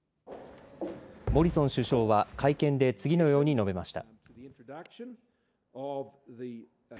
モリソン首相は会見で次のように述べました。